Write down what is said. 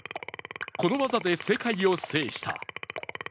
この技で世界を制した。